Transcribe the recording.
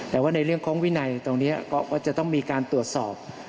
แต่ว่าในเรื่องของวินัยตรงนี้ก็จะต้องมีการตรวจสอบ